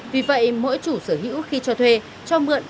vì vậy mỗi chủ sở hữu khi cho thuê cho mượn